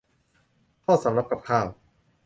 ทอดสำรับกับข้าว